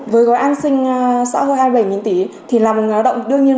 với gói an sinh sở hữu hai mươi bảy tỷ thì là một người lao động đương nhiên